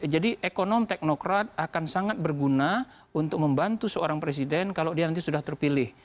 jadi ekonom teknokrat akan sangat berguna untuk membantu seorang presiden kalau dia nanti sudah terpilih